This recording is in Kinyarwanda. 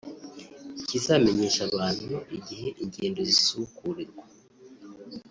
ikazamenyesha abantu igihe ingendo zisubukurirwa